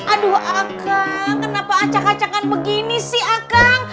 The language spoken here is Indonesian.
aduh akang kenapa acak acakan begini sih akang